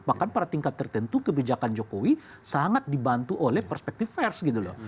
bahkan pada tingkat tertentu kebijakan jokowi sangat dibantu oleh perspektif pers gitu loh